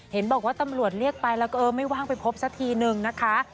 เห็นบอกว่าตำรวจเรียกไปแล้วก็เออไม่ว่างไปพบสักทีนึงนะคะ